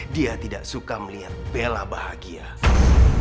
dia tidak suka melihat bella masuk ke dalam keluarga om